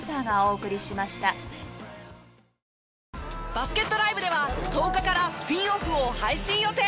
バスケットＬＩＶＥでは１０日からスピンオフを配信予定。